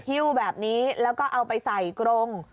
ฮิ้วแบบนี้แล้วก็เอาไปใส่กรง